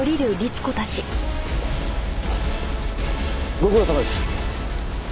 ご苦労さまです。